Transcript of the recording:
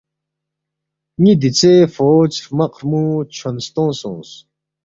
ن٘ی دیژے فوج ہرمق ہرمُو چھون ستونگ سونگس